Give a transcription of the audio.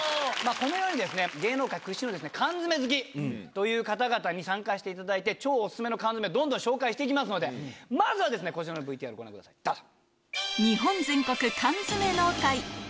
このようにですね芸能界屈指のですね缶詰好きという方々に参加していただいて超オススメの缶詰をどんどん紹介していきますのでまずはですねこちらのＶＴＲをご覧くださいどうぞ！